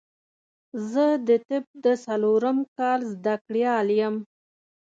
زه د طب د څلورم کال زده کړيال يم